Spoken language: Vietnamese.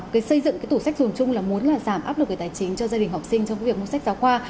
cái xây dựng cái tủ sách dùng chung là muốn là giảm áp lực về tài chính cho gia đình học sinh trong việc mua sách giáo khoa